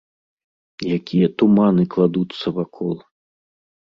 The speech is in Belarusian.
Якія туманы кладуцца вакол!